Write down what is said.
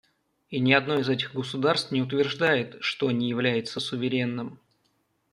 И ни одно из этих государств не утверждает, что не является суверенным.